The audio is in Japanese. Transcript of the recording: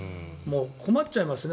困っちゃいますね